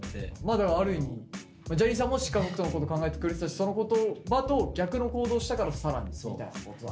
でもある意味ジャニーさんもしっかり北斗のこと考えてくれてたしその言葉と逆の行動したから更にみたいなことだね。